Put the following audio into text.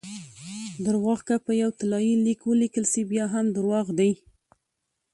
درواغ که په یو طلايي لیک ولیکل سي؛ بیا هم درواغ دي!